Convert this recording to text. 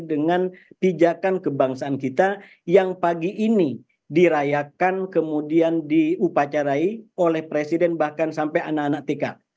dengan pijakan kebangsaan kita yang pagi ini dirayakan kemudian diupacarai oleh presiden bahkan sampai anak anak tk